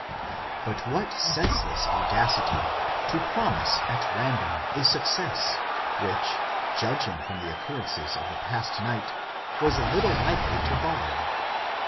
But what senseless audacity, to promise at random a success, which, judging from the occurrences of the past night, was little likely to follow!